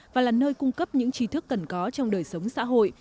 và là nơi cung cấp những trí thức cần có trong đời sống xã hội